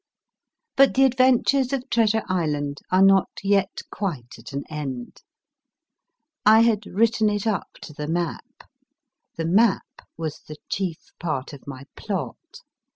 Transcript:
But the adventures of Treasure Island are not yet quite at an end. I had written it up to the map. The map was the chief part of my plot.